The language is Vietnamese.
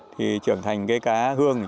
thì trưởng thành cái cá hương